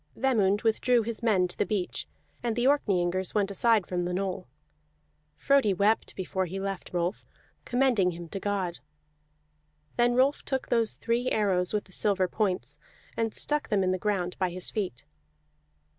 Vemund withdrew his men to the beach, and the Orkneyingers went aside from the knoll. Frodi wept before he left Rolf, commending him to God. Then Rolf took those three arrows with silver points, and stuck them in the ground by his feet.